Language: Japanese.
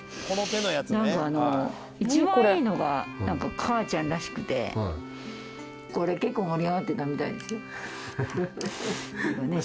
なんか一番いいのが「かあちゃん」らしくてこれ結構盛り上がってたみたいですよ。